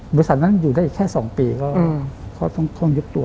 บริษัทนั้นอยู่ได้อีกแค่๒ปีก็ต้องยึดตัว